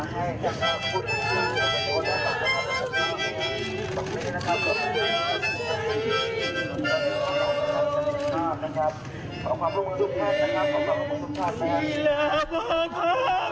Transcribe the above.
นักศึกษาหวังว่าจะเป็นสู้สาร